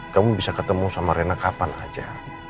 kamu bisa ketemu sama rena kapan aja